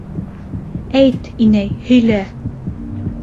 Әйт, инәй, һөйлә...